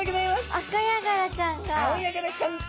アカヤガラちゃんが。